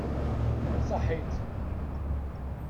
Ṣaḥit!